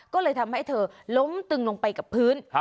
ก็เลยทำให้เธอล้มตึงลงไปกับพื้น